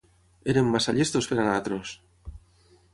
Eren massa llestos per a nosaltres!